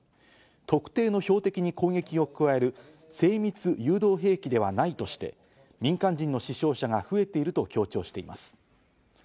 特定の標的に攻撃を加える精密誘導兵器ではないとして、民間人の死傷者が増えていると強調しています。